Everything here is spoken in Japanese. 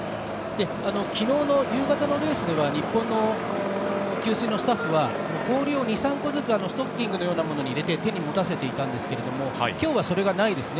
昨日の夕方のニュースでは日本の給水のスタッフは氷を２３個ずつストッキングのようなものに入れて手に持たせていたんですが今日はそれがないですね。